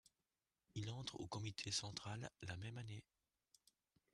Il entre au comité central la même année.